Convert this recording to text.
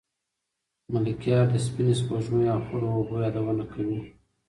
ملکیار د سپینې سپوږمۍ او خړو اوبو یادونه کوي.